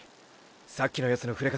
さっきのヤツの触れ方